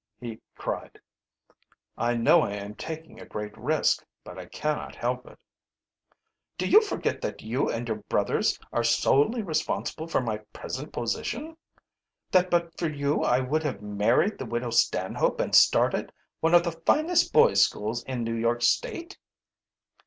he cried. "I know I am taking a great risk, but I cannot help it." "Do you forget that you and your brothers are solely responsible for my present position? That but for you I would have married the Widow Stanhope and started one of the finest boys' school in New York State?"